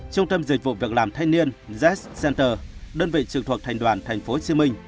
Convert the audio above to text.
trung tâm dịch vụ việc làm thanh niên es center đơn vị trực thuộc thành đoàn tp hcm